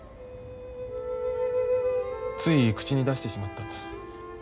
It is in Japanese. つい口に出してしまったんだ。